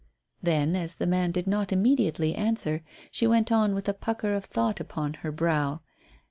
Then, as the man did not immediately answer, she went on with a pucker of thought upon her brow.